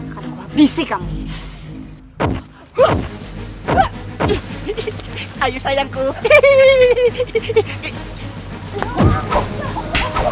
berani kamu menghajar badrika